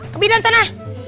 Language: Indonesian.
ke bidan sana